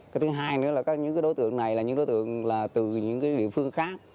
cái thứ hai nữa là những đối tượng này là những đối tượng từ những địa phương khác